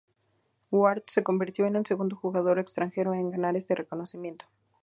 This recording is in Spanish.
Ward se convirtió en el segundo jugador extranjero en ganar este reconocimiento.